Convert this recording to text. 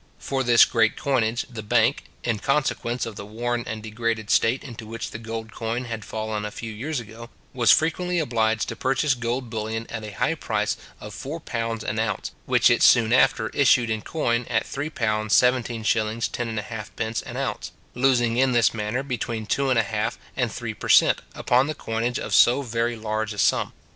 For this great coinage, the bank (in consequence of the worn and degraded state into which the gold coin had fallen a few years ago) was frequently obliged to purchase gold bullion at the high price of four pounds an ounce, which it soon after issued in coin at £3:17:10 1/2 an ounce, losing in this manner between two and a half and three per cent. upon the coinage of so very large a sum.